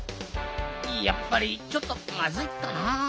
やっぱりちょっとまずいかな。